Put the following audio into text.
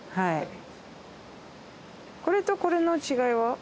これとこれの違いは？